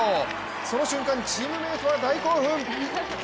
その瞬間、チームメイトは大興奮！